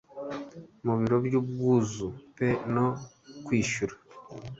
Mu biro byubwuzu pe no kwishyura